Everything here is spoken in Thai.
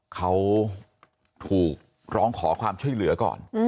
เขาถูกร้องขอความช่วยเหลือก่อน